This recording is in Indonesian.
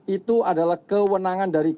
itu adalah kewenangan dari kpk